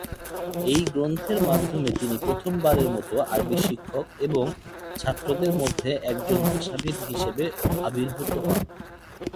এই গ্রন্থের মাধ্যমে তিনি প্রথমবারের মত আরবি শিক্ষক এবং ছাত্রদের মধ্যে একজন ভাষাবিদ হিসেবে আবির্ভূত হন।